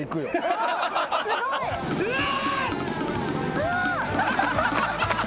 うわ！